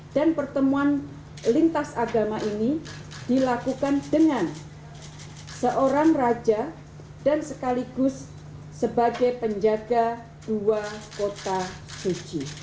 dan pertemuan lintas agama ini dilakukan dengan seorang raja dan sekaligus sebagai penjaga dua kota suci